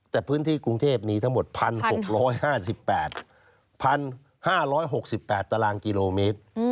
แต่พื้นที่กรุงเทพมีทั้งหมด๑๖๕๘๕๖๘ตารางกิโลเมตร